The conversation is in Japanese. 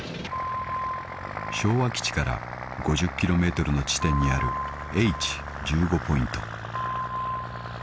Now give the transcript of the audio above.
［昭和基地から５０ｋｍの地点にあるＨ１５ポイント］